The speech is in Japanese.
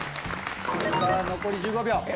残り１５秒。